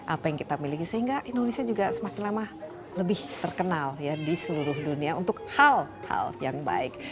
apa yang kita miliki sehingga indonesia juga semakin lama lebih terkenal ya di seluruh dunia untuk hal hal yang baik